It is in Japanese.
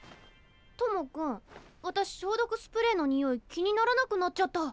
友くん私消毒スプレーのにおい気にならなくなっちゃった。